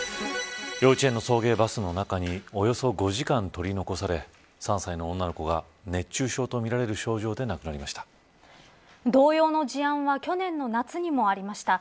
幼稚園の送迎バスの中におよそ５時間、取り残され３歳の女の子が熱中症とみられる症状で同様の事案は去年の夏にもありました。